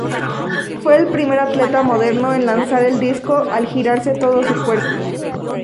Fue el primer atleta moderno en lanzar el disco al girarse todo su cuerpo.